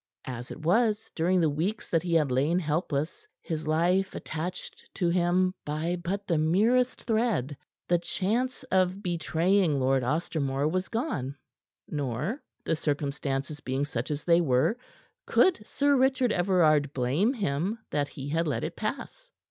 As it was, during the weeks that he had lain helpless, his life attached to him by but the merest thread, the chance of betraying Lord Ostermore was gone, nor the circumstances being such as they were could Sir Richard Everard blame him that he had let it pass.